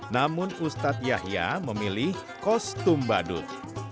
namun ustadz yahya memilih kostum badut